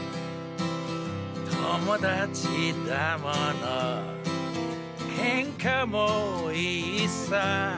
「ともだちだものけんかもいいさ」